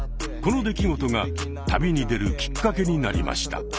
この出来事が旅に出るきっかけになりました。